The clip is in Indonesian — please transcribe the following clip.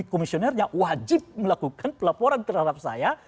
komisionernya wajib melakukan pelaporan terhadap saya